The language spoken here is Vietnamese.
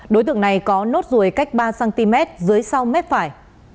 đối tượng này có nốt ruồi cách ba cm dưới sau mép phải